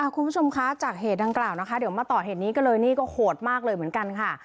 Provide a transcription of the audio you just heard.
คุณผู้ชมคะจากเหตุดังกล่าวนะคะเดี๋ยวมาต่อเหตุนี้ก็เลยนี่ก็โหดมากเลยเหมือนกันค่ะ